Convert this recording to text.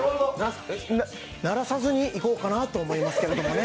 鳴らさずにいこうと思いますけれどもね。